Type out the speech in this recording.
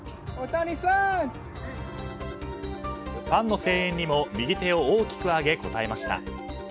ファンの声援にも右手を大きく上げ応えました。